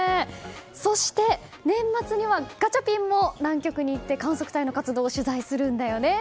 そして、年末にはガチャピンも南極に行って観測隊の活動を取材するんだよね。